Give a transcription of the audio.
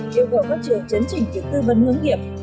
yêu cầu các trường chấn chỉnh việc tư vấn hướng nghiệp